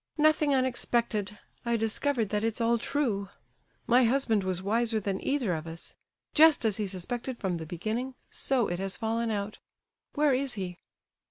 "Nothing unexpected. I discovered that it's all true. My husband was wiser than either of us. Just as he suspected from the beginning, so it has fallen out. Where is he?"